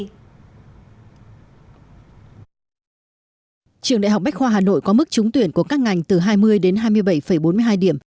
trường đại học bách khoa hà nội có mức trúng tuyển của các ngành từ hai mươi đến hai mươi bảy bốn mươi hai điểm